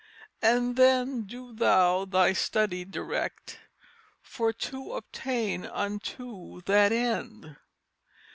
And then doe thou thy study directe For to obtain unto that end.